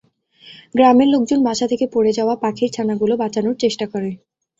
গ্রামের লোকজন বাসা থেকে পড়ে যাওয়া পাখির ছানাগুলো বাঁচানোর চেষ্টা করে।